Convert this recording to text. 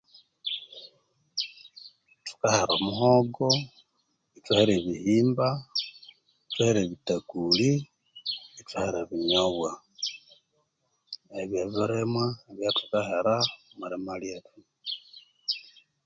Thukahera omuhogo ithwahera ebihimba ithwahera ebittakuli ithwahera ebinyobwa ebyo byebirimwa ebythukahera omwirima lyethu